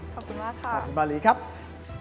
ขอบคุณมากค่ะบารีครับขอบคุณมากค่ะ